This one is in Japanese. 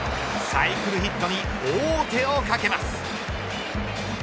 サイクルヒットに王手をかけます。